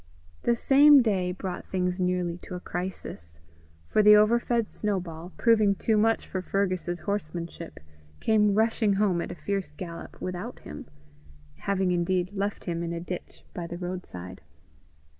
The same day brought things nearly to a crisis; for the overfed Snowball, proving too much for Fergus's horsemanship, came rushing home at a fierce gallop without him, having indeed left him in a ditch by the roadside.